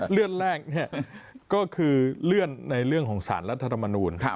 เลื่อนแรกก็คือเลื่อนในเรื่องของสารรัฐธรรมนูล